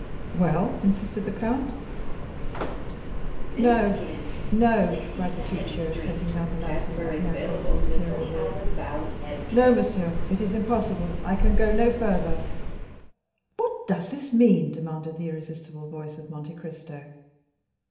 "Well!" insisted the Count. "No, no," cried Bertuccio, setting down the lantern at the angle of the interior wall. "No, monsieur, it is impossible; I can go no farther." "What does this mean?" demanded the irresistible voice of Monte Cristo.